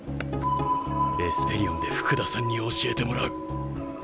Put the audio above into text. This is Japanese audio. エスペリオンで福田さんに教えてもらう。